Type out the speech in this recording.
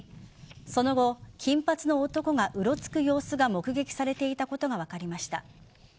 その後、金髪の男がうろつく様子が目撃されていたことが分かりました。